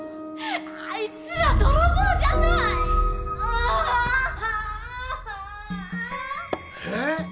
あいつら泥棒じゃない！えっ！？